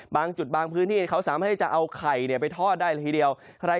บางจุดบางพื้นที่เขาสามารถเอาไข่ไปทอดได้ได้แรกทีเดียว